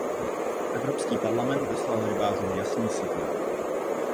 Evropský parlament vyslal rybářům jasný signál.